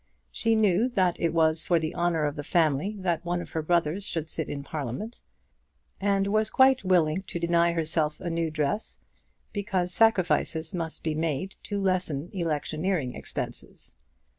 She knew that it was for the honour of the family that one of her brothers should sit in Parliament, and was quite willing to deny herself a new dress because sacrifices must be made to lessen electioneering expenses.